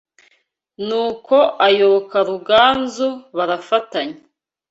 n’uko ayoboka Ruganzu baraftanya